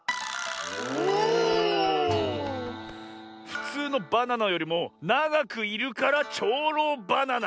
ふつうのバナナよりもながくいるから「ちょうろうバナナ」。